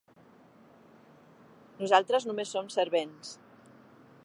Nosaltres només som servents.